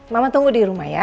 mama tunggu di rumah ya